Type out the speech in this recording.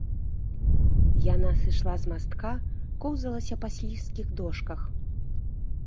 Яна сышла з мастка, коўзалася па слізкіх дошках.